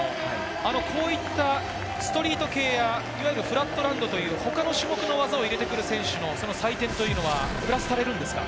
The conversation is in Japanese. こういったストリート系やフラットランドという他の種目の技を入れる選手の採点というのはプラスされますか？